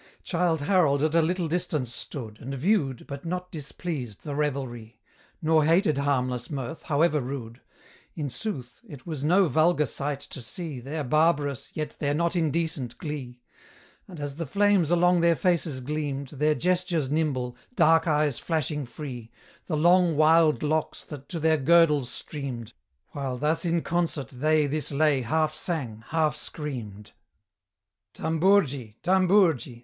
Childe Harold at a little distance stood, And viewed, but not displeased, the revelrie, Nor hated harmless mirth, however rude: In sooth, it was no vulgar sight to see Their barbarous, yet their not indecent, glee: And as the flames along their faces gleamed, Their gestures nimble, dark eyes flashing free, The long wild locks that to their girdles streamed, While thus in concert they this lay half sang, half screamed: Tambourgi! Tambourgi!